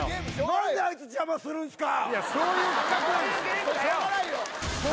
何であいつ邪魔するんすか！